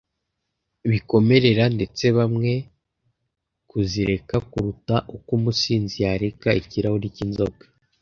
Bikomerera ndetse bamwe kuzireka kuruta uko umusinzi yareka ikirahuri cy’inzoga;